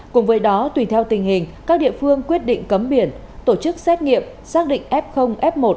cùng với đó tùy theo tình hình các địa phương quyết định cấm biển tổ chức xét nghiệm xác định f f một